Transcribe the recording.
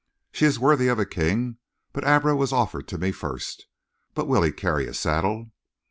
"She is worthy of a king, but Abra was offered to me first. But will he carry a saddle?"